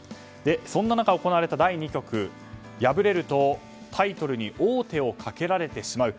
そんな中、行われた第２局敗れるとタイトルに王手をかけられてしまう。